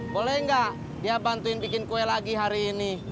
boleh nggak dia bantuin bikin kue lagi hari ini